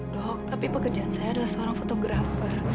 dok tapi pekerjaan saya adalah seorang fotografer